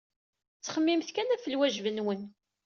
Ttxemmimet kan ɣef lwajeb-nwen.